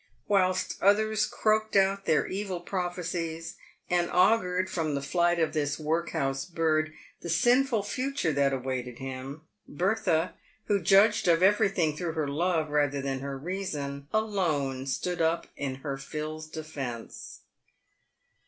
Whilst others croaked out their evil prophecies, and augured, from the flight of this workhouse bird, the sinful future that awaited him, Bertha, who judged of everything through her love rather than her reason, alone stood up in her Phil's defence.